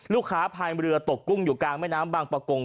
พายเรือตกกุ้งอยู่กลางแม่น้ำบางประกง